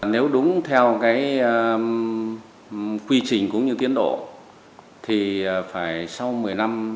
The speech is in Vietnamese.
nếu đúng theo cái quy trình cũng như tiến độ thì phải sau một mươi năm